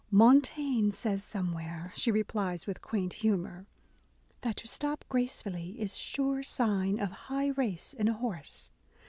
Montaigne says some where," she replies with quaint humour, "that to stop gracefully is sure sign of high race in a horse.